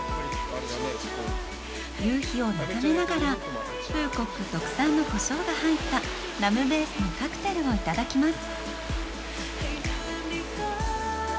夕日を眺めながら、フーコック特産のコショウが入ったラムベースのカクテルをいただきます。